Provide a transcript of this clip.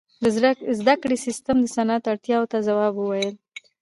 • د زدهکړې سیستم د صنعت اړتیاو ته ځواب وویل.